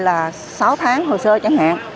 là sáu tháng hồ sơ chẳng hạn